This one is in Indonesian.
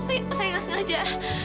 saya nggak sengaja